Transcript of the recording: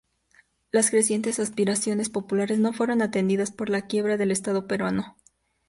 Las crecientes aspiraciones populares no fueron atendidas por la quiebra del Estado Peruano.